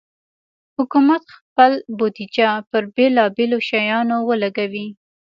حکومت خپل بودیجه پر بېلابېلو شیانو ولګوي.